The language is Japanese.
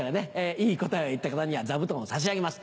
いい答えを言った方には座布団を差し上げます。